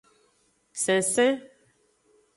Sensen.